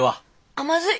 あまずい。